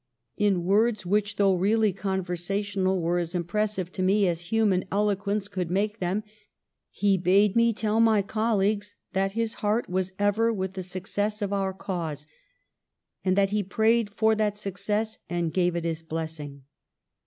In words which, though really conversational, were as impressive to me as human eloquence could make them, he bade me tell my colleagues that his heart was ever with the success of our cause and that he prayed for that success and gave it his blessing.